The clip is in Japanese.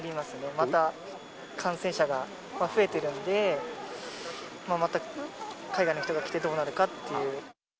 また感染者が増えているんで、また海外の人が来てどうなるかっていう。